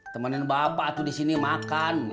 temenin bapak tuh di sini makan